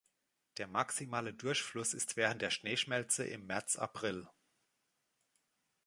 Der maximale Durchfluss ist während der Schneeschmelze im März-April.